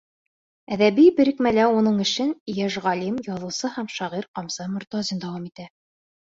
Әҙәби берекмәлә уның эшен йәш ғалим, яҙыусы һәм шағир Ҡамса Мортазин дауам итә.